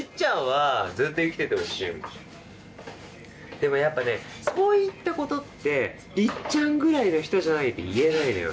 でもやっぱねそういったことってりっちゃんぐらいの人じゃないと言えないのよ